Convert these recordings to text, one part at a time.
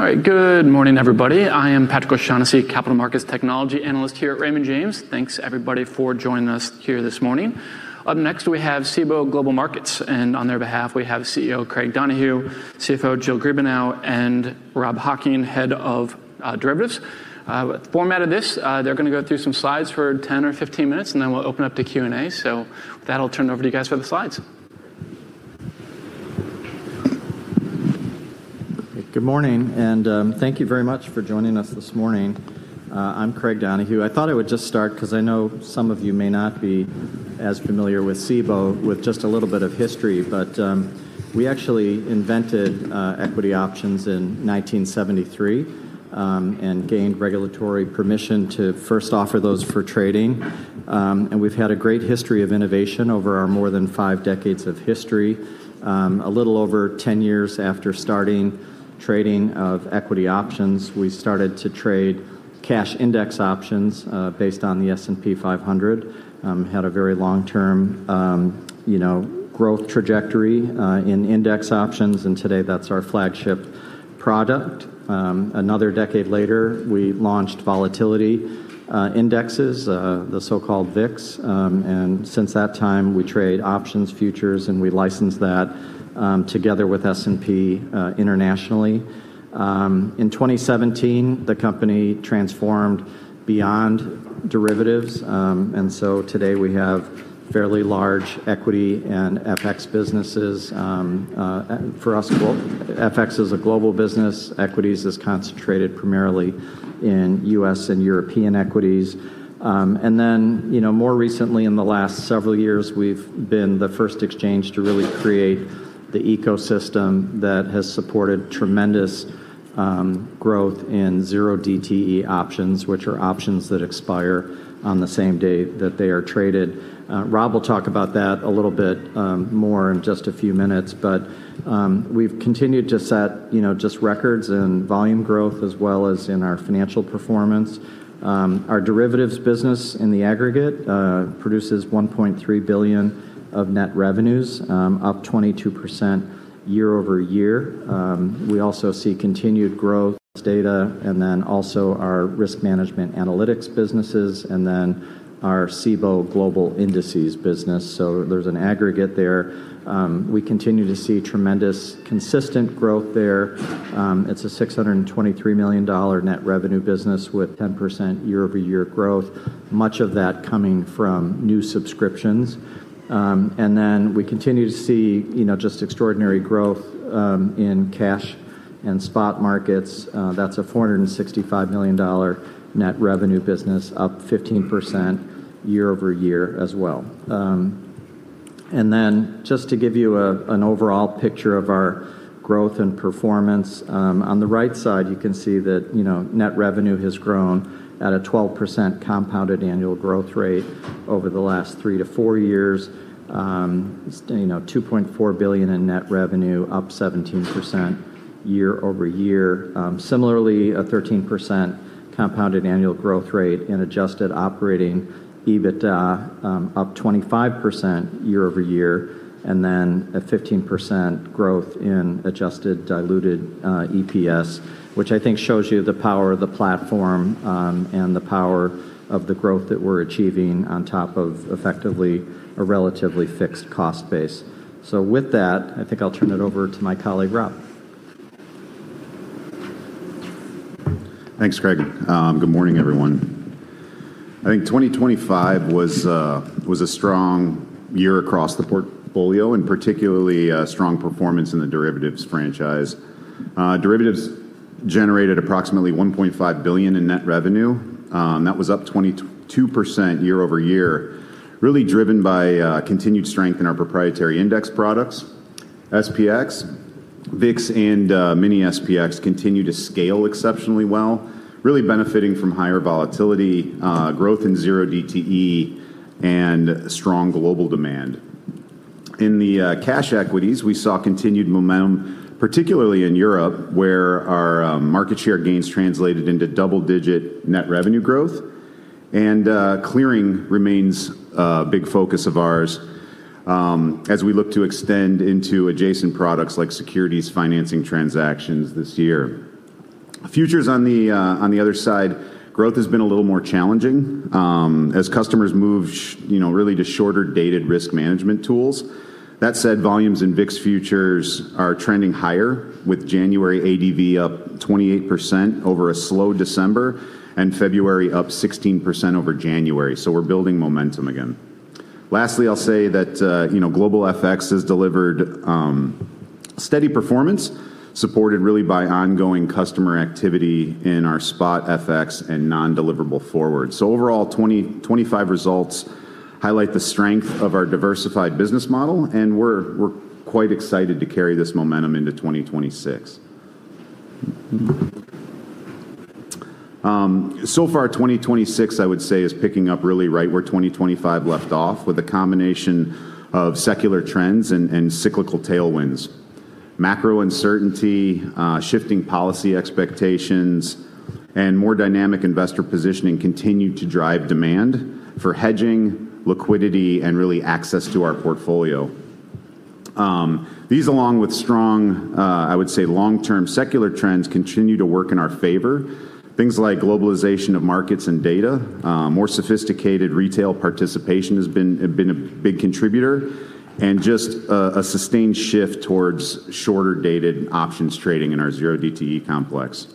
All right. Good morning, everybody. I am Patrick O'Shaughnessy, Capital Markets Technology Analyst here at Raymond James. Thanks everybody for joining us here this morning. Up next, we have Cboe Global Markets, and on their behalf, we have CEO Craig Donohue, CFO Jill Griebenow, and Rob Hocking, Head of Derivatives. With the format of this, they're gonna go through some slides for 10 or 15 minutes, and then we'll open up to Q&A. With that, I'll turn it over to you guys for the slides. Good morning, thank you very much for joining us this morning. I'm Craig Donohue. I thought I would just start, 'cause I know some of you may not be as familiar with Cboe, with just a little bit of history. We actually invented equity options in 1973 and gained regulatory permission to first offer those for trading. We've had a great history of innovation over our more than five decades of history. A little over 10 years after starting trading of equity options, we started to trade cash index options based on the S&P 500. Had a very long-term, you know, growth trajectory in index options, and today that's our flagship product. Another decade later, we launched volatility indexes, the so-called VIX. Since that time, we trade options, futures, and we license that together with S&P internationally. In 2017, the company transformed beyond derivatives. Today we have fairly large equity and FX businesses. For us, both FX is a global business. Equities is concentrated primarily in U.S. and European equities. You know, more recently in the last several years, we've been the first exchange to really create the ecosystem that has supported tremendous growth in 0DTE options, which are options that expire on the same day that they are traded. Rob will talk about that a little bit more in just a few minutes. We've continued to set, you know, just records in volume growth as well as in our financial performance. Our derivatives business in the aggregate produces $1.3 billion of net revenues, up 22% year-over-year. We also see continued growth data, and then also our risk management analytics businesses, and then our Cboe Global Indices business. There's an aggregate there. We continue to see tremendous consistent growth there. It's a $623 million net revenue business with 10% year-over-year growth, much of that coming from new subscriptions. We continue to see, you know, just extraordinary growth in cash and spot markets. That's a $465 million net revenue business, up 15% year-over-year as well. Just to give you an overall picture of our growth and performance, on the right side, you can see that, you know, net revenue has grown at a 12% compounded annual growth rate over the last three to four years. You know, $2.4 billion in net revenue, up 17% year-over-year. Similarly, a 13% compounded annual growth rate in Adjusted Operating EBITDA, up 25% year-over-year, a 15% growth in Adjusted Diluted EPS, which I think shows you the power of the platform, and the power of the growth that we're achieving on top of effectively a relatively fixed cost base. With that, I think I'll turn it over to my colleague, Rob. Thanks, Craig. Good morning, everyone. I think 2025 was a strong year across the portfolio, and particularly a strong performance in the derivatives franchise. Derivatives generated approximately $1.5 billion in net revenue, that was up 22% year-over-year, really driven by continued strength in our proprietary index products. SPX, VIX, and Mini-SPX continue to scale exceptionally well, really benefiting from higher volatility, growth in 0DTE, and strong global demand. In the cash equities, we saw continued momentum, particularly in Europe, where our market share gains translated into double-digit net revenue growth. Clearing remains a big focus of ours, as we look to extend into adjacent products like securities financing transactions this year. Futures on the other side, growth has been a little more challenging, you know, really to shorter-dated risk management tools. That said, volumes in VIX futures are trending higher, with January ADV up 28% over a slow December and February up 16% over January. We're building momentum again. Lastly, I'll say that, you know, Global FX has delivered steady performance supported really by ongoing customer activity in our spot FX and non-deliverable forwards. Overall, 2020, 2025 results highlight the strength of our diversified business model, and we're quite excited to carry this momentum into 2026. So far, 2026, I would say, is picking up really right where 2025 left off with a combination of secular trends and cyclical tailwinds. Macro uncertainty, shifting policy expectations, and more dynamic investor positioning continue to drive demand for hedging, liquidity, and really access to our portfolio. These along with strong, I would say long-term secular trends continue to work in our favor. Things like globalization of markets and data, more sophisticated retail participation have been a big contributor, and just a sustained shift towards shorter-dated options trading in our 0DTE complex.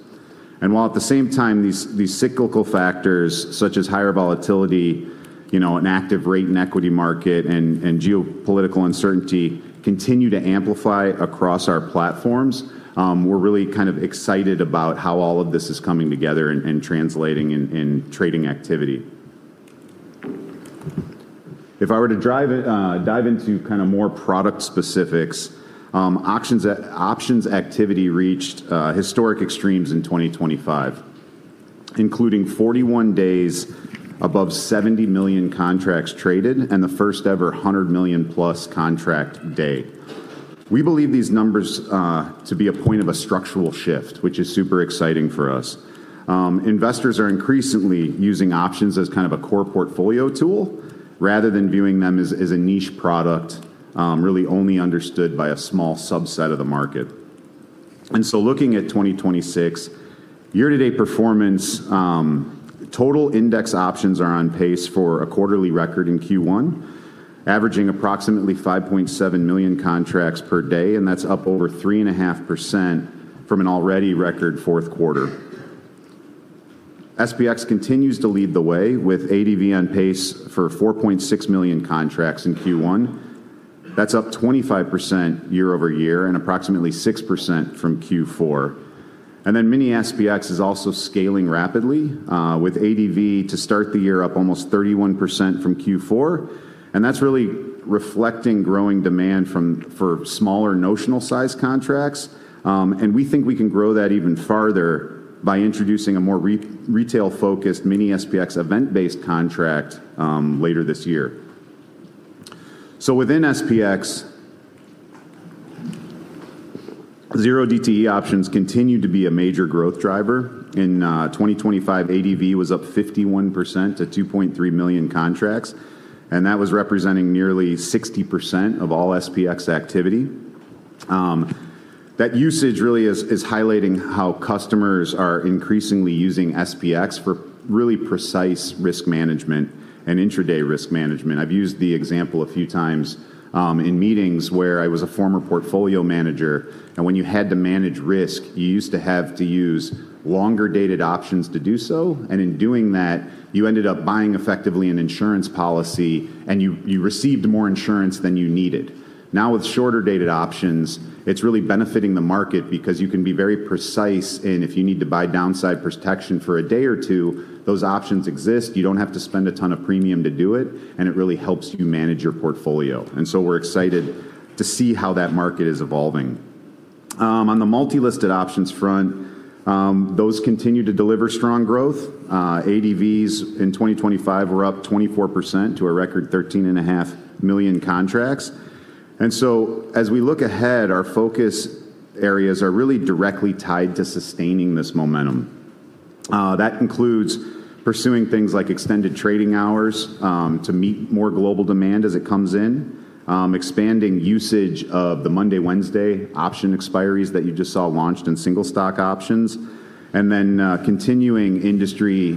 While at the same time these cyclical factors such as higher volatility, you know, an active rate and equity market and geopolitical uncertainty continue to amplify across our platforms, we're really kind of excited about how all of this is coming together and translating in trading activity. If I were to dive into kind of more product specifics, options activity reached historic extremes in 2025, including 41 days above 70 million contracts traded and the first-ever 100+ million contract day. We believe these numbers to be a point of a structural shift, which is super exciting for us. Investors are increasingly using options as kind of a core portfolio tool rather than viewing them as a niche product, really only understood by a small subset of the market. Looking at 2026, year-to-date performance, total index options are on pace for a quarterly record in Q1, averaging approximately 5.7 million contracts per day, and that's up over 3.5% from an already record fourth quarter. SPX continues to lead the way with ADV on pace for 4.6 million contracts in Q1. That's up 25% year-over-year and approximately 6% from Q4. Mini-SPX is also scaling rapidly with ADV to start the year up almost 31% from Q4, and that's really reflecting growing demand for smaller notional size contracts. We think we can grow that even farther by introducing a more retail-focused Mini-SPX event-based contract later this year. Within SPX, 0DTE options continue to be a major growth driver. In 2025, ADV was up 51% to 2.3 million contracts, and that was representing nearly 60% of all SPX activity. That usage really is highlighting how customers are increasingly using SPX for really precise risk management and intraday risk management. I've used the example a few times, in meetings where I was a former portfolio manager, and when you had to manage risk, you used to have to use longer-dated options to do so. In doing that, you ended up buying effectively an insurance policy, and you received more insurance than you needed. Now with shorter-dated options, it's really benefiting the market because you can be very precise, and if you need to buy downside protection for a day or two, those options exist. You don't have to spend a ton of premium to do it, and it really helps you manage your portfolio. So we're excited to see how that market is evolving. On the multi-listed options front, those continue to deliver strong growth. ADVs in 2025 were up 24% to a record 13.5 million contracts. As we look ahead, our focus areas are really directly tied to sustaining this momentum. That includes pursuing things like extended trading hours to meet more global demand as it comes in, expanding usage of the Monday-Wednesday option expiries that you just saw launched in single stock options, continuing industry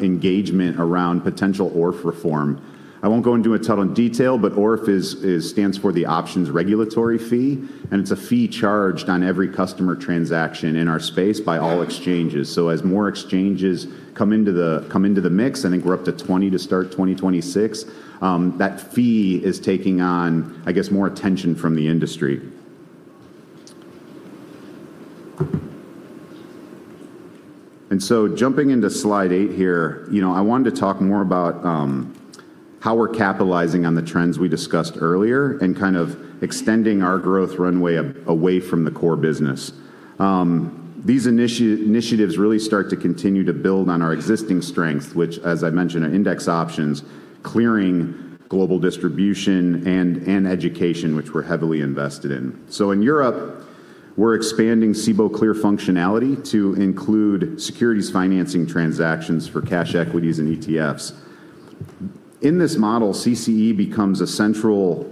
engagement around potential ORF reform. I won't go into it total in detail, ORF stands for the Options Regulatory Fee, and it's a fee charged on every customer transaction in our space by all exchanges. As more exchanges come into the mix, I think we're up to 20 to start 2026, that fee is taking on, I guess, more attention from the industry. Jumping into slide 8 here, you know, I wanted to talk more about how we're capitalizing on the trends we discussed earlier and kind of extending our growth runway away from the core business. These initiatives really start to continue to build on our existing strengths, which as I mentioned, are index options, clearing global distribution and education, which we're heavily invested in. In Europe, we're expanding Cboe Clear functionality to include securities financing transactions for cash equities and ETFs. In this model, CCE becomes a central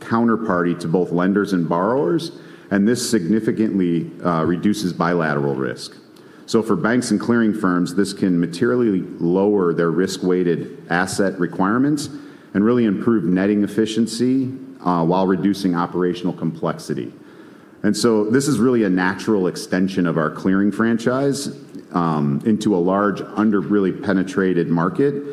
counterparty to both lenders and borrowers, and this significantly reduces bilateral risk. For banks and clearing firms, this can materially lower their risk-weighted asset requirements and really improve netting efficiency while reducing operational complexity. This is really a natural extension of our clearing franchise into a large under really penetrated market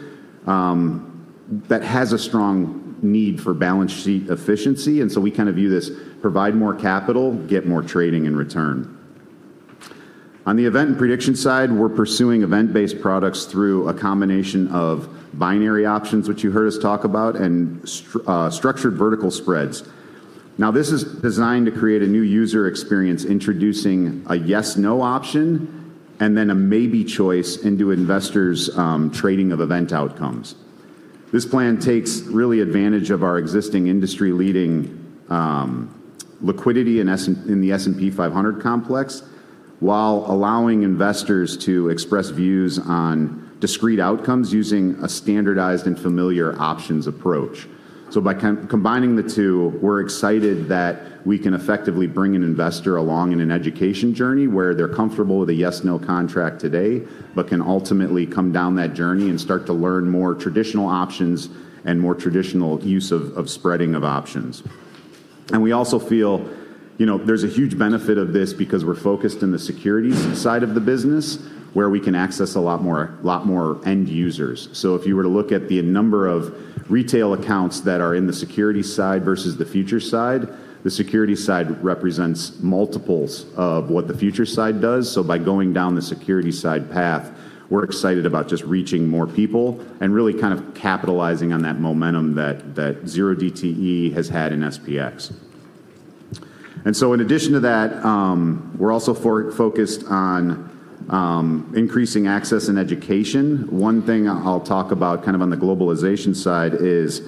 that has a strong need for balance sheet efficiency. We kind of view this, provide more capital, get more trading in return. On the event and prediction side, we're pursuing event-based products through a combination of binary options, which you heard us talk about, and structured vertical spreads. This is designed to create a new user experience introducing a yes/no option and then a maybe choice into investors' trading of event outcomes. This plan takes really advantage of our existing industry-leading liquidity in the S&P 500 complex. While allowing investors to express views on discrete outcomes using a standardized and familiar options approach. By combining the two, we're excited that we can effectively bring an investor along in an education journey where they're comfortable with a yes/no contract today, but can ultimately come down that journey and start to learn more traditional options and more traditional use of spreading of options. We also feel, you know, there's a huge benefit of this because we're focused in the securities side of the business where we can access a lot more end users. If you were to look at the number of retail accounts that are in the security side versus the future side, the security side represents multiples of what the future side does. By going down the security side path, we're excited about just reaching more people and really kind of capitalizing on that momentum that 0DTE has had in SPX. In addition to that, we're also focused on increasing access and education. One thing I'll talk about kind of on the globalization side is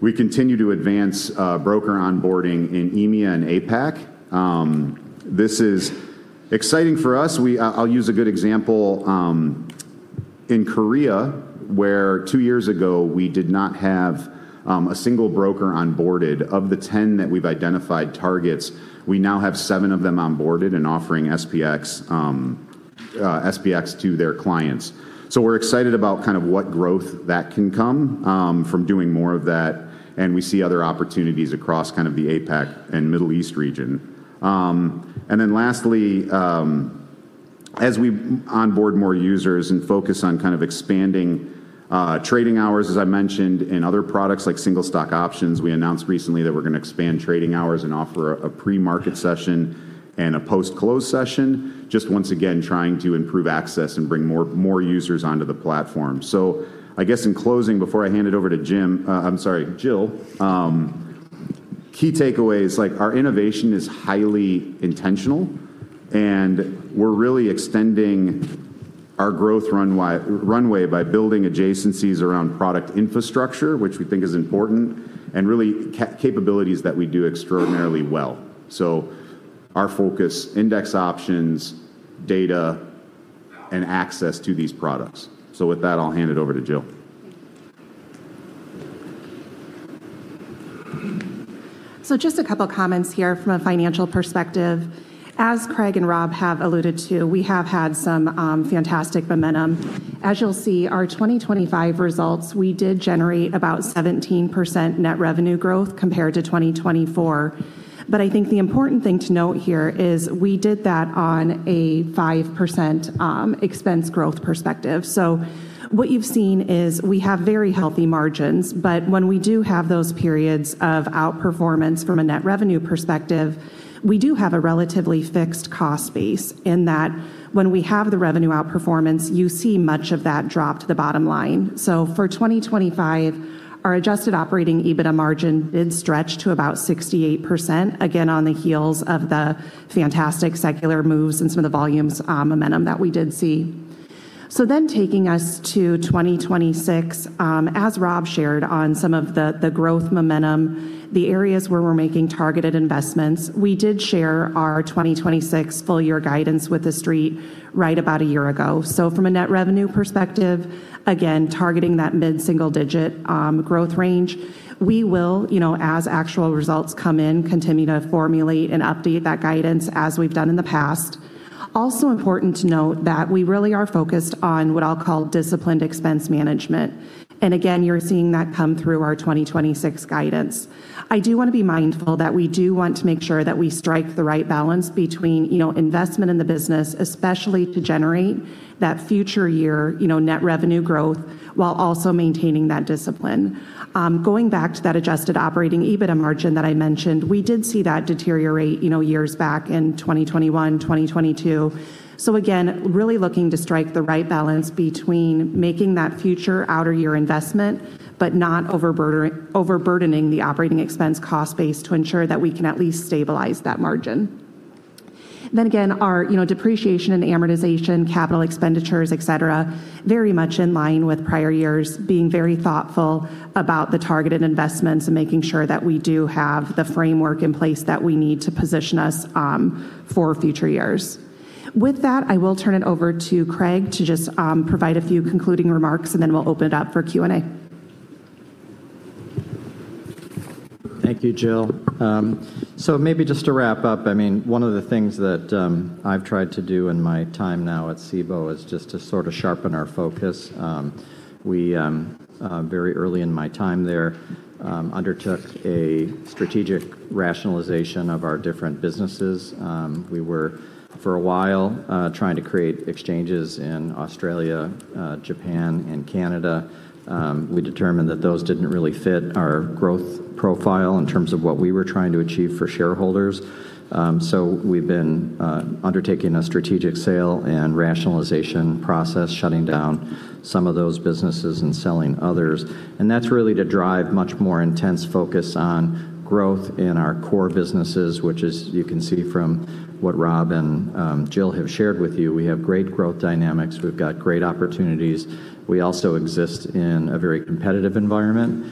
we continue to advance broker onboarding in EMEA and APAC. This is exciting for us. I'll use a good example in Korea, where 2 years ago we did not have a single broker onboarded. Of the 10 that we've identified targets, we now have 7 of them onboarded and offering SPX to their clients. We're excited about kind of what growth that can come from doing more of that, and we see other opportunities across kind of the APAC and Middle East region. Lastly, as we onboard more users and focus on kind of expanding trading hours, as I mentioned, in other products like single stock options, we announced recently that we're gonna expand trading hours and offer a pre-market session and a post-close session, just once again trying to improve access and bring more users onto the platform. I guess in closing, before I hand it over to Jim, I'm sorry, Jill, key takeaways, like our innovation is highly intentional, and we're really extending our growth runway by building adjacencies around product infrastructure, which we think is important, and really capabilities that we do extraordinarily well. Our focus, index options, data, and access to these products. With that, I'll hand it over to Jill. Just a couple comments here from a financial perspective. As Craig and Rob have alluded to, we have had some fantastic momentum. As you'll see, our 2025 results, we did generate about 17% net revenue growth compared to 2024. I think the important thing to note here is we did that on a 5% expense growth perspective. What you've seen is we have very healthy margins. But when we do have those periods of outperformance from a net revenue perspective, we do have a relatively fixed cost base in that when we have the revenue outperformance, you see much of that drop to the bottom line. For 2025, our Adjusted Operating EBITDA margin did stretch to about 68%, again, on the heels of the fantastic secular moves and some of the volumes momentum that we did see. Taking us to 2026, as Rob shared on some of the growth momentum, the areas where we're making targeted investments, we did share our 2026 full year guidance with the street right about a year ago. From a net revenue perspective, again, targeting that mid-single digit growth range. We will, you know, as actual results come in, continue to formulate and update that guidance as we've done in the past. Also important to note that we really are focused on what I'll call disciplined expense management. Again, you're seeing that come through our 2026 guidance. I do wanna be mindful that we do want to make sure that we strike the right balance between, you know, investment in the business, especially to generate that future year, you know, net revenue growth, while also maintaining that discipline. Going back to that Adjusted Operating EBITDA margin that I mentioned, we did see that deteriorate, you know, years back in 2021, 2022. Again, really looking to strike the right balance between making that future outer year investment but not overburdening the operating expense cost base to ensure that we can at least stabilize that margin. Again, our, you know, depreciation and amortization, capital expenditures, et cetera, very much in line with prior years, being very thoughtful about the targeted investments and making sure that we do have the framework in place that we need to position us for future years. With that, I will turn it over to Craig to just provide a few concluding remarks, and then we'll open it up for Q&A. Thank you, Jill. Maybe just to wrap up, I mean, one of the things that I've tried to do in my time now at Cboe is just to sorta sharpen our focus. Very early in my time there, undertook a strategic rationalization of our different businesses. We were for a while, trying to create exchanges in Australia, Japan and Canada. We determined that those didn't really fit our growth profile in terms of what we were trying to achieve for shareholders. We've been undertaking a strategic sale and rationalization process, shutting down some of those businesses and selling others, and that's really to drive much more intense focus on growth in our core businesses, which as you can see from what Rob and Jill have shared with you, we have great growth dynamics. We've got great opportunities. We also exist in a very competitive environment.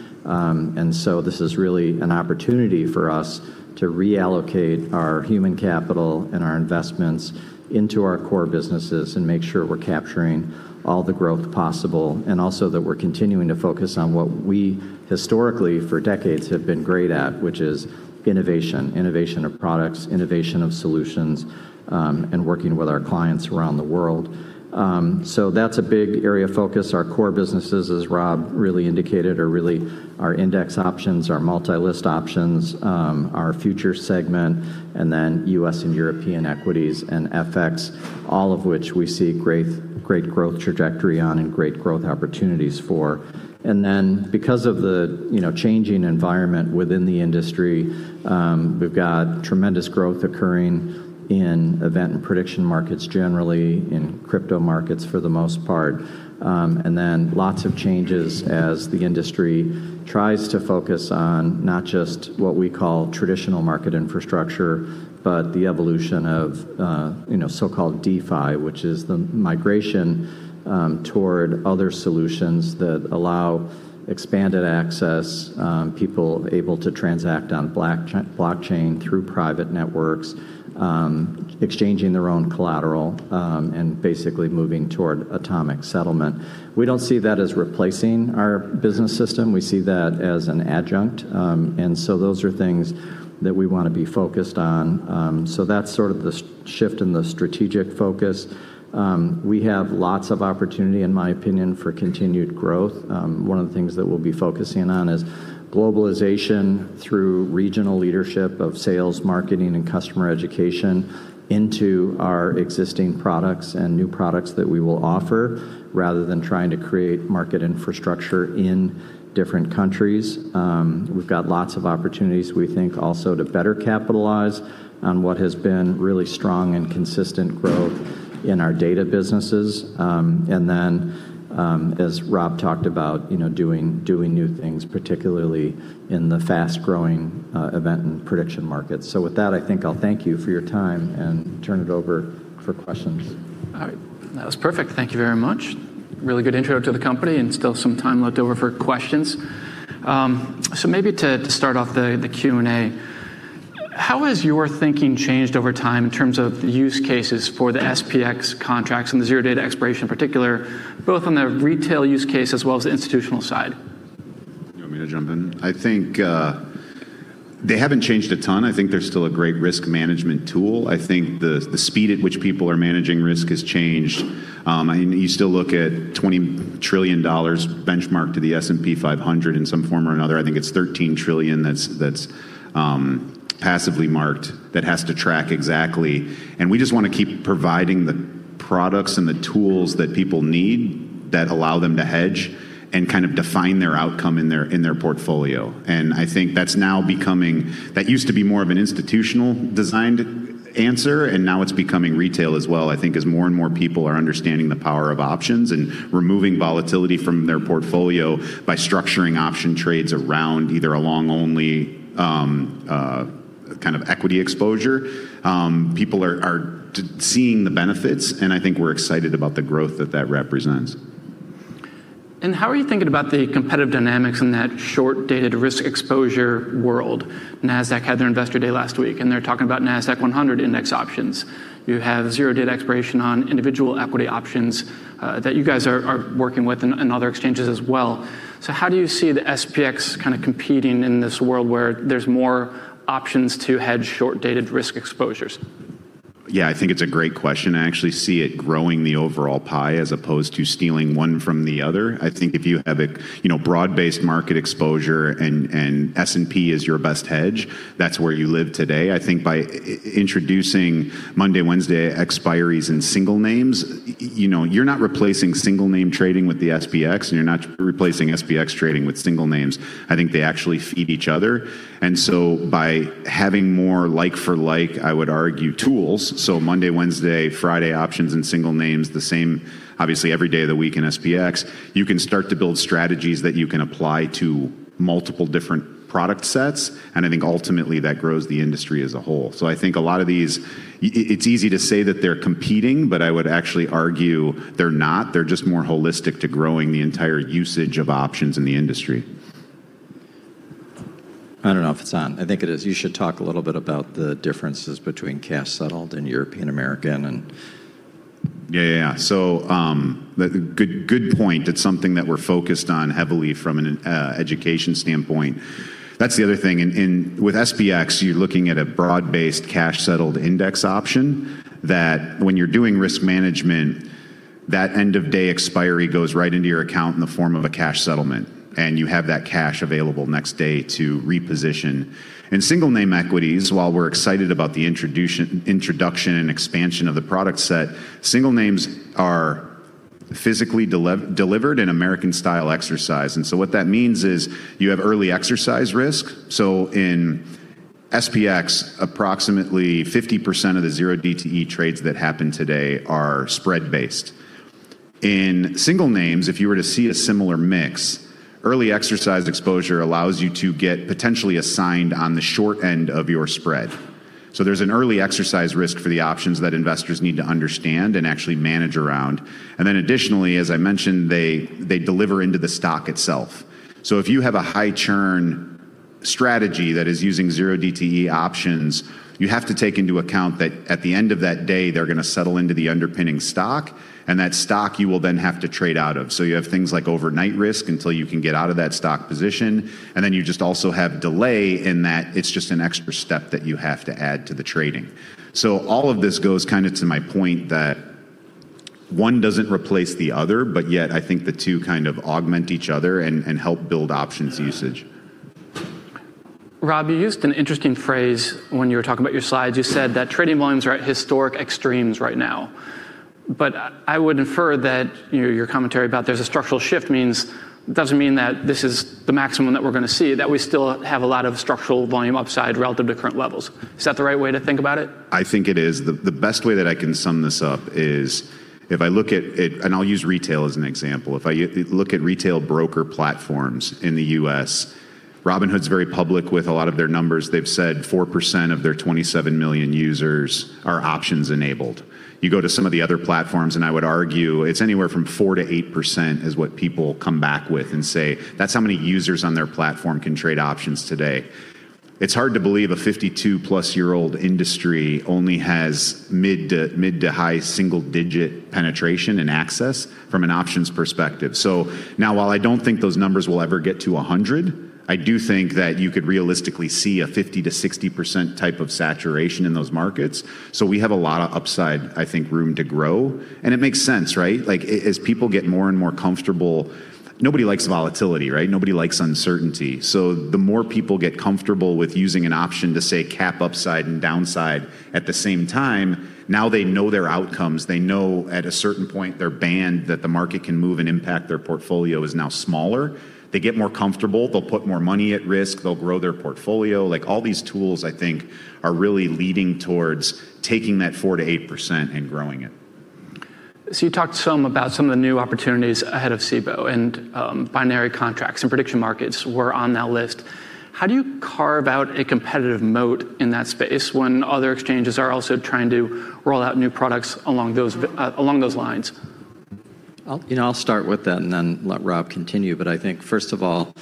This is really an opportunity for us to reallocate our human capital and our investments into our core businesses and make sure we're capturing all the growth possible, also that we're continuing to focus on what we historically for decades have been great at, which is innovation. Innovation of products, innovation of solutions, and working with our clients around the world. That's a big area of focus. Our core businesses, as Rob really indicated, are really our index options, our multi-list options, our future segment, and then US and European-style equities and FX, all of which we see great growth trajectory on and great growth opportunities for. Because of the, you know, changing environment within the industry, we've got tremendous growth occurring in event and prediction markets generally, in crypto markets for the most part, lots of changes as the industry tries to focus on not just what we call traditional market infrastructure, but the evolution of, you know, so-called DeFi, which is the migration toward other solutions that allow expanded access, people able to transact on blockchain through private networks, exchanging their own collateral, and basically moving toward atomic settlement. We don't see that as replacing our business system. We see that as an adjunct. Those are things that we want to be focused on. That's sort of the shift in the strategic focus. We have lots of opportunity, in my opinion, for continued growth. One of the things that we'll be focusing on is globalization through regional leadership of sales, marketing, and customer education into our existing products and new products that we will offer rather than trying to create market infrastructure in different countries. We've got lots of opportunities, we think, also to better capitalize on what has been really strong and consistent growth in our data businesses. As Rob talked about, you know, doing new things, particularly in the fast-growing event and prediction markets. With that, I think I'll thank you for your time and turn it over for questions. All right. That was perfect. Thank you very much. Really good intro to the company and still some time left over for questions. Maybe to start off the Q&A, how has your thinking changed over time in terms of use cases for the SPX contracts and the zero days to expiration in particular, both on the retail use case as well as the institutional side? You want me to jump in? I think they haven't changed a ton. I think they're still a great risk management tool. I think the speed at which people are managing risk has changed. You still look at $20 trillion benchmarked to the S&P 500 in some form or another. I think it's $13 trillion that's passively marked that has to track exactly. We just wanna keep providing the products and the tools that people need that allow them to hedge and kind of define their outcome in their, in their portfolio. I think that's now becoming... That used to be more of an institutional designed answer, and now it's becoming retail as well, I think, as more and more people are understanding the power of options and removing volatility from their portfolio by structuring option trades around either a long only, kind of equity exposure. People are seeing the benefits, and I think we're excited about the growth that that represents. How are you thinking about the competitive dynamics in that short-dated risk exposure world? Nasdaq had their investor day last week, and they're talking about Nasdaq-100 index options. You have zero days to expiration on individual equity options that you guys are working with and other exchanges as well. How do you see the SPX kind of competing in this world where there's more options to hedge short-dated risk exposures? I think it's a great question. I actually see it growing the overall pie as opposed to stealing one from the other. I think if you have a, you know, broad-based market exposure and, S&P is your best hedge, that's where you live today. I think by introducing Monday, Wednesday expiries in single names, you know, you're not replacing single name trading with the SPX, and you're not replacing SPX trading with single names. I think they actually feed each other. By having more like for like, I would argue, tools, so Monday, Wednesday, Friday options in single names the same obviously every day of the week in SPX, you can start to build strategies that you can apply to multiple different product sets, and I think ultimately that grows the industry as a whole. I think a lot of these, it's easy to say that they're competing, but I would actually argue they're not. They're just more holistic to growing the entire usage of options in the industry. I don't know if it's on. I think it is. You should talk a little bit about the differences between cash-settled and European-style, American and... Yeah, yeah. Good point. It's something that we're focused on heavily from an education standpoint. That's the other thing. With SPX, you're looking at a broad-based cash-settled index option that when you're doing risk management. That end-of-day expiry goes right into your account in the form of a cash settlement, and you have that cash available next day to reposition. In single name equities, while we're excited about the introduction and expansion of the product set, single names are physically delivered in American-style exercise. What that means is you have early exercise risk. In SPX, approximately 50% of the 0DTE trades that happen today are spread-based. In single names, if you were to see a similar mix, early exercise exposure allows you to get potentially assigned on the short end of your spread. There's an early exercise risk for the options that investors need to understand and actually manage around. Additionally, as I mentioned, they deliver into the stock itself. If you have a high churn strategy that is using 0DTE options, you have to take into account that at the end of that day, they're gonna settle into the underpinning stock, and that stock you will then have to trade out of. You have things like overnight risk until you can get out of that stock position, and then you just also have delay in that it's just an extra step that you have to add to the trading. All of this goes kinda to my point that one doesn't replace the other, but yet I think the two kind of augment each other and help build options usage. Rob, you used an interesting phrase when you were talking about your slides. You said that trading volumes are at historic extremes right now. I would infer that, you know, your commentary about there's a structural shift doesn't mean that this is the maximum that we're gonna see, that we still have a lot of structural volume upside relative to current levels. Is that the right way to think about it? I think it is. The best way that I can sum this up is if I look at it, and I'll use retail as an example. If I look at retail broker platforms in the U.S., Robinhood's very public with a lot of their numbers. They've said 4% of their 27 million users are options-enabled. You go to some of the other platforms, and I would argue it's anywhere from 4%-8% is what people come back with and say that's how many users on their platform can trade options today. It's hard to believe a 52+ year-old industry only has mid to high single-digit penetration and access from an options perspective. Now while I don't think those numbers will ever get to 100, I do think that you could realistically see a 50%-60% type of saturation in those markets. We have a lot of upside, I think, room to grow. It makes sense, right? Like, as people get more and more comfortable... Nobody likes volatility, right? Nobody likes uncertainty. The more people get comfortable with using an option to, say, cap upside and downside at the same time, now they know their outcomes. They know at a certain point their band that the market can move and impact their portfolio is now smaller. They get more comfortable. They'll put more money at risk. They'll grow their portfolio. Like, all these tools, I think, are really leading towards taking that 4%-8% and growing it. You talked some about some of the new opportunities ahead of Cboe and binary contracts and prediction markets were on that list. How do you carve out a competitive moat in that space when other exchanges are also trying to roll out new products along those lines? I'll, you know, I'll start with that and then let Rob continue. I think first of all,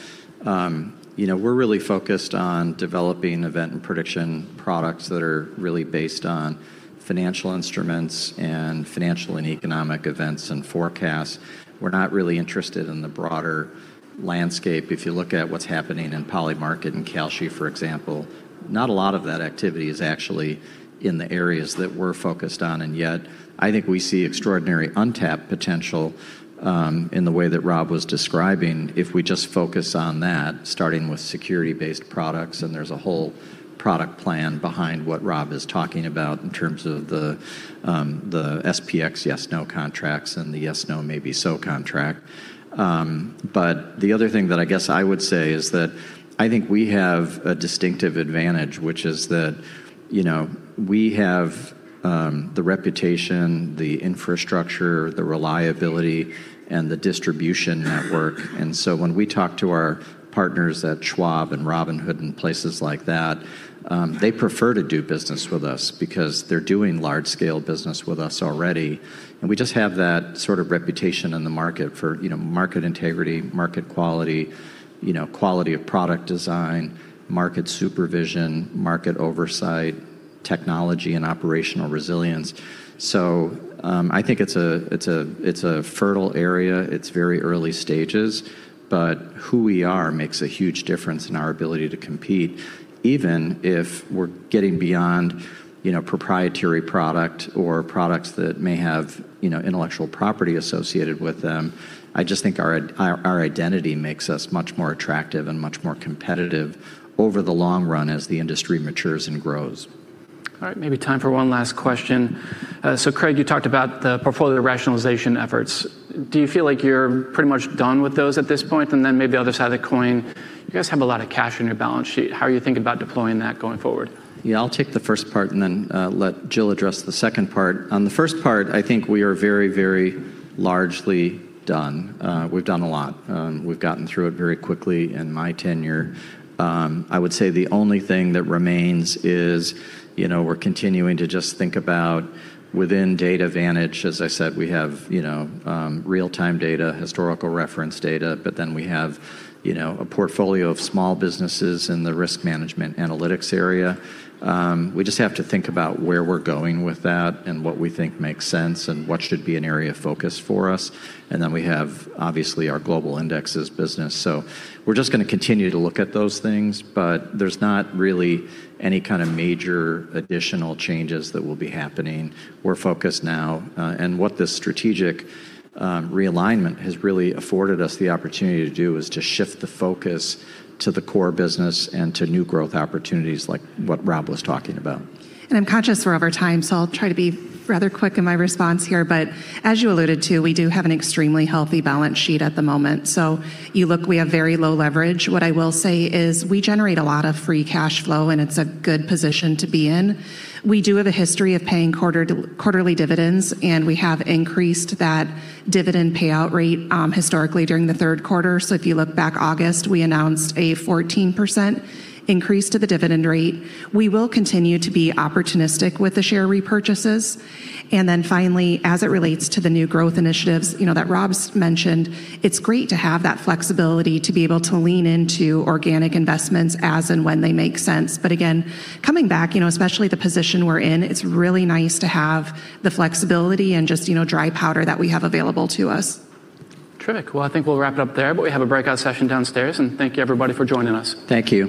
you know, we're really focused on developing event and prediction products that are really based on financial instruments and financial and economic events and forecasts. We're not really interested in the broader landscape. If you look at what's happening in Polymarket and Kalshi, for example, not a lot of that activity is actually in the areas that we're focused on. Yet, I think we see extraordinary untapped potential, in the way that Rob was describing if we just focus on that, starting with security-based products. There's a whole product plan behind what Rob is talking about in terms of the SPX yes/no contracts and the yes, no, maybe so contract. The other thing that I guess I would say is that I think we have a distinctive advantage, which is that, you know, we have the reputation, the infrastructure, the reliability, and the distribution network. When we talk to our partners at Schwab and Robinhood and places like that, they prefer to do business with us because they're doing large-scale business with us already, and we just have that sort of reputation in the market for, you know, market integrity, market quality, you know, quality of product design, market supervision, market oversight, technology, and operational resilience. I think it's a fertile area. It's very early stages, but who we are makes a huge difference in our ability to compete, even if we're getting beyond, you know, proprietary product or products that may have, you know, intellectual property associated with them. I just think our identity makes us much more attractive and much more competitive over the long run as the industry matures and grows. All right. Maybe time for one last question. Craig, you talked about the portfolio rationalization efforts. Do you feel like you're pretty much done with those at this point? Maybe other side of the coin, you guys have a lot of cash on your balance sheet. How are you thinking about deploying that going forward? Yeah, I'll take the first part and then let Jill address the second part. On the first part, I think we are very, very largely done. We've done a lot. We've gotten through it very quickly in my tenure. I would say the only thing that remains is, you know, we're continuing to just think about within DataVantage, as I said, we have, you know, real-time data, historical reference data, but then we have, you know, a portfolio of small businesses in the risk management analytics area. We just have to think about where we're going with that and what we think makes sense and what should be an area of focus for us. Then we have obviously our Cboe Global Indices business. We're just gonna continue to look at those things, but there's not really any kind of major additional changes that will be happening. We're focused now, and what this strategic realignment has really afforded us the opportunity to do is to shift the focus to the core business and to new growth opportunities like what Rob was talking about. I'm conscious we're over time, I'll try to be rather quick in my response here. As you alluded to, we do have an extremely healthy balance sheet at the moment. You look, we have very low leverage. What I will say is we generate a lot of free cash flow, and it's a good position to be in. We do have a history of paying quarterly dividends, and we have increased that dividend payout rate, historically during the third quarter. If you look back August, we announced a 14% increase to the dividend rate. We will continue to be opportunistic with the share repurchases. Finally, as it relates to the new growth initiatives, you know, that Rob mentioned, it's great to have that flexibility to be able to lean into organic investments as and when they make sense. Again, coming back, you know, especially the position we're in, it's really nice to have the flexibility and just, you know, dry powder that we have available to us. Terrific. Well, I think we'll wrap it up there, but we have a breakout session downstairs, and thank you, everybody, for joining us. Thank you.